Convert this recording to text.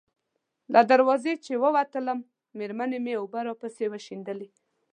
له دروازې چې ووتم، مېرمنې مې اوبه راپسې وشیندلې.